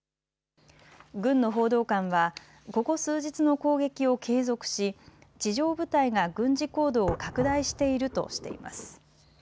軍の報道官はここ数日の攻撃を継続し、地上部隊が軍事行動を拡大しているとしています。